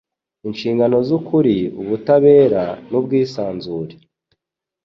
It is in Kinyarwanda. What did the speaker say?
inshingano z'ukuri, ubutabera, n'ubwisanzure